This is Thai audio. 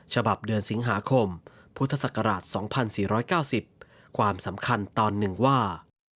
ฉบับเดือนสิงหาคมพุทธศักราช๒๔๙๐ความสำคัญตอนหนึ่งว่า